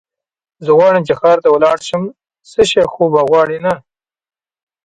زه غواړم چې ښار ته ولاړ شم، څه شی خو به غواړې نه؟